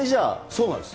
そうなんです。